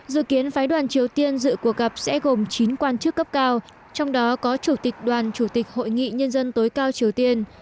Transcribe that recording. dự kiến phái đoàn triều tiên dự cuộc gặp sẽ gồm chín quan chức cấp cao trong đó có chủ tịch đoàn chủ tịch hội nghị nhân dân tối cao triều tiên